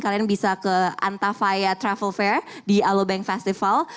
kalian bisa ke antafaya travel fair di alobank festival